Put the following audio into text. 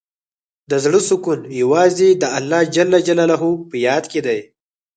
د زړۀ سکون یوازې د الله په یاد کې دی.